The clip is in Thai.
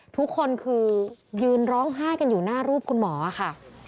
ทุกคนคือยืนร้องไห้กันอยู่หน้ารูปคุณหมอค่ะ